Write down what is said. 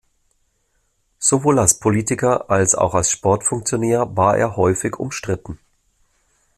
Sowohl als Politiker als auch als Sportfunktionär war er häufig umstritten.